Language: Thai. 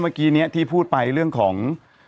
เมื่อกี้นี้ที่พูดไปเรื่องของ